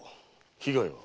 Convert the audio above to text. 被害は？